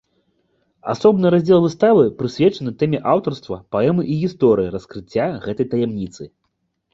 Асобны раздзел выставы прысвечаны тэме аўтарства паэмы і гісторыі раскрыцця гэтай таямніцы.